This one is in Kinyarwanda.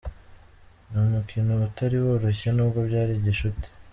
Ni umukino utari woroshye n'ubwo byari gishuti.